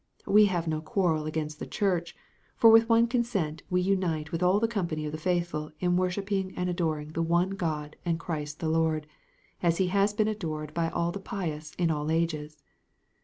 " We have no quarrel against the Church, for with one consent we unite with all the company of the faithful in worshipping and adoring the one God and Christ the Lord, as he has been adored by all the pious in all ages.